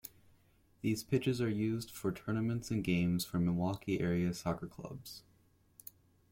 These pitches are used for tournaments and games for Milwaukee area soccer clubs.